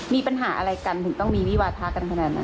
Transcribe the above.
มีปัญหาอะไรกันถึงต้องมีวิวาทะกันขนาดนั้น